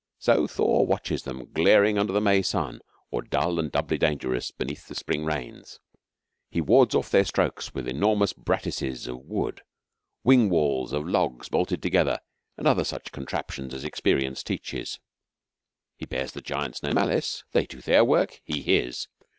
So Thor watches them glaring under the May sun, or dull and doubly dangerous beneath the spring rains. He wards off their strokes with enormous brattices of wood, wing walls of logs bolted together, and such other contraptions as experience teaches. He bears the giants no malice; they do their work, he his.